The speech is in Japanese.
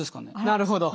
なるほど。